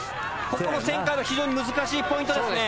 ここの旋回は非常に難しいポイントですね。